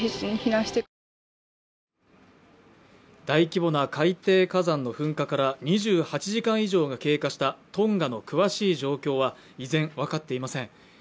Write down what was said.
大規模な海底火山の噴火から２８時間以上が経過したトンガの詳しい状況は依然、分かっていません。